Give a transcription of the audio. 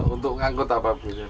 untuk mengangkut apa